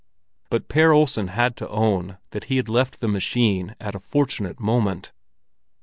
But Per Olsen had to own that he had left the machine at a fortunate moment.